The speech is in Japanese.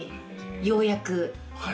ようやく。